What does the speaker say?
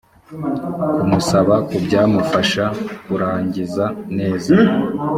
kumusaba ku byamufasha kurangiza neza